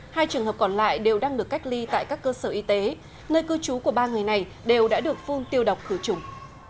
hai trường hợp còn lại đều đang được cách ly tại các cơ sở y tế nơi cư trú của ba người này đều đã được phun tiêu độc khử trùng